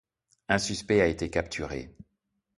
Un suspect a été capturé.